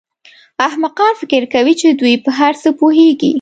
احمقان فکر کوي چې دوی په هر څه پوهېږي.